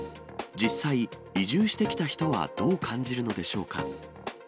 実際、移住してきた人はどう感じるのでしょうか。